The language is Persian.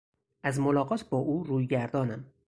از ملاقات با او روی گردانم.